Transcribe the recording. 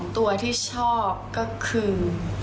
ตัวที่ชอบก็คือ